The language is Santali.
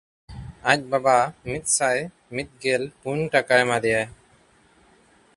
ᱟᱡ ᱵᱟᱵᱟ ᱢᱤᱫᱥᱟᱭ ᱢᱤᱫᱜᱮᱞ ᱯᱩᱱ ᱴᱟᱠᱟ ᱮᱢᱟ ᱫᱮᱭᱟᱭ᱾